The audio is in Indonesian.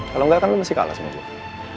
kalau enggak kan lo mesti kalah sama gue